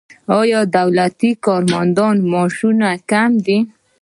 آیا د دولتي کارمندانو معاشونه کم دي؟